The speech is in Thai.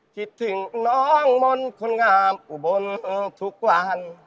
คิดถึงน้องมนต์คนงามอุบลทุกวัน